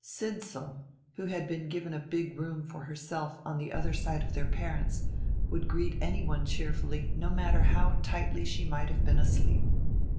Sidsall, who had been given a big room for herself on the other side of their parents, would greet anyone cheerfully no matter how tightly she might have been asleep.